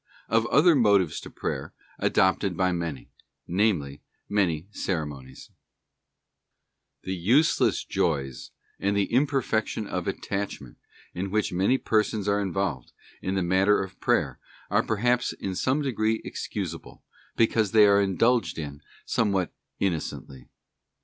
Of other motives to Prayer adopted by many; namely, many Ceremonies, Tue useless joys and the imperfection of attachment, in which many persons are involved, in the matter of Prayer, are perhaps in some degree excusable, because they are indulged in somewhat innocently.